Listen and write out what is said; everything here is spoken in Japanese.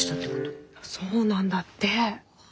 そうなんだって！